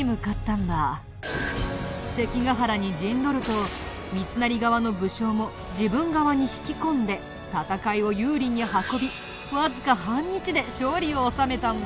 関ヶ原に陣取ると三成側の武将も自分側に引き込んで戦いを有利に運びわずか半日で勝利を収めたんだ。